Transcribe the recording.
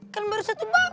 kan baru satu babak